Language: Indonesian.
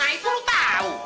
nah itu lo tau